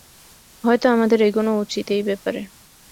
হয়তো আমাদের এগোনো উচিত এই ব্যাপারে।